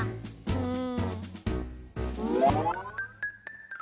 うん！